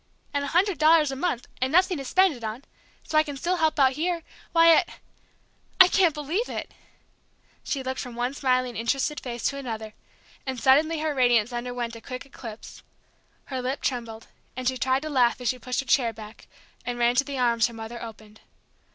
And a hundred dollars a month, and nothing to spend it on, so I can still help out here! Why, it I can't believe it!" she looked from one smiling, interested face to another, and suddenly her radiance underwent a quick eclipse. Her lip trembled, and she tried to laugh as she pushed her chair back, and ran to the arms her mother opened.